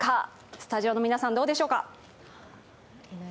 スタジオの皆さんどうでしょうか？